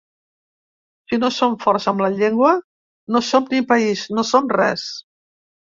Si no som forts amb la llengua, no som ni país, no som res.